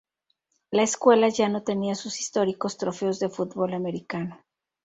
La escuela ya no tenía sus históricos trofeos de fútbol americano.